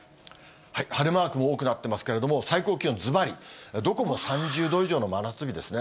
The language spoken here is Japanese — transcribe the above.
晴れマークも多くなってますけれども、最高気温、ずばり、どこも３０度以上の真夏日ですね。